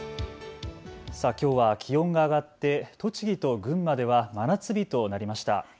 きょうは気温が上がって栃木と群馬では真夏日となりました。